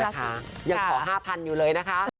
ใช่นะคะยังขอ๕๐๐๐อยู่เลยนะคะ